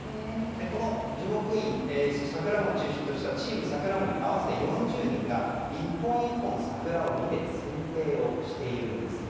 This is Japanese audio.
この樹木医、桜守を中心としたチーム桜守、合わせて４０人が１本１本、桜を見てせん定をしているんです。